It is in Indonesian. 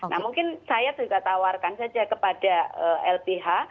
nah mungkin saya juga tawarkan saja kepada lbh